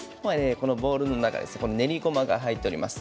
ボウルの中練りごまが入っております。